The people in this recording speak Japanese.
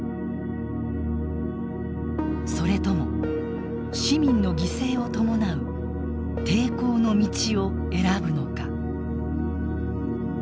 それとも市民の犠牲を伴う抵抗の道を選ぶのか。